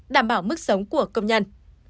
đảm bảo mức sống của công nhân